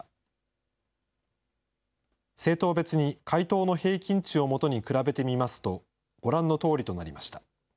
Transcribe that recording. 政党別に回答の平均値を基に比べてみますと、ご覧のとおりとなりました。